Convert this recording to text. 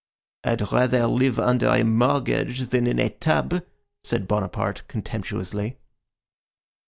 "I'd rather live under a mortgage than in a tub," said Bonaparte, contemptuously.